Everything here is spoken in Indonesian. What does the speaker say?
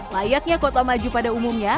layaknya kota maju pada umumnya